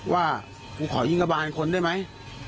ว่ากูขอยิงกระบานคนได้ไหม